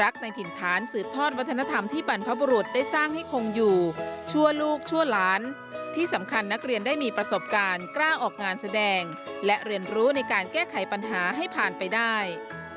การกล้าออกงานแสดงและเรียนรู้ในการแก้ไขปัญหาให้ผ่านไปได้